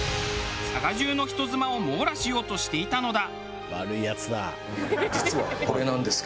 佐賀中の人妻を網羅しようとしていたのだ。